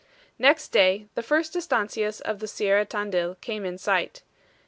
Next day, the first ESTANCIAS of the Sierra Tandil came in sight.